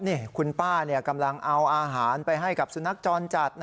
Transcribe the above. นี่คุณป้ากำลังเอาอาหารไปให้กับสุนัขจรจัด